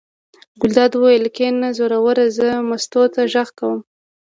ګلداد وویل: کېنه زوروره زه مستو ته غږ کوم.